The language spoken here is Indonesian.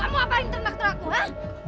kamu apa yang ternak ternakku hah